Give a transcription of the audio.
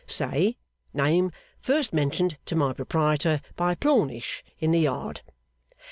Say, name first mentioned to my proprietor by Plornish in the Yard.